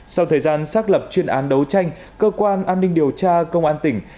sau thời gian xác lập chuyên án đấu tranh cơ quan an ninh điều tra công an tỉnh